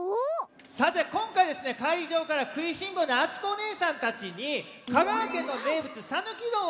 さてこんかいかいじょうからくいしんぼうなあつこおねえさんたちに香川県の名物さぬきうどんをおくったんですよ。